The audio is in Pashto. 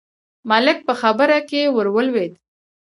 ملک په خبره کې ور ولوېد: